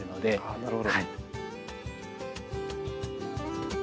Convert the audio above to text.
あなるほど。